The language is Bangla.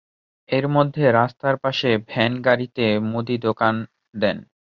এর মধ্যে রাস্তার পাশে ভ্যান গাড়িতে মুদি দোকান দেন।